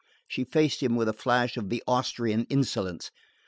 She faced him with a flash of the Austrian insolence.